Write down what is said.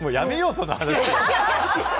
その話。